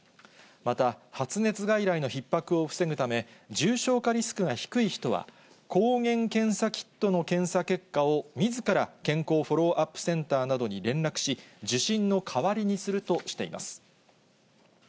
また発熱外来のひっ迫を防ぐため、重症化リスクが低い人は、抗原検査キットの検査結果をみずから健康フォローアップセンターなどに連絡し、受診の代わりにするとしています。